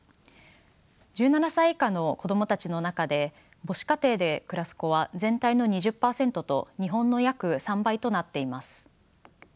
１７歳以下の子供たちの中で母子家庭で暮らす子は全体の２０％と日本の約３倍となっています。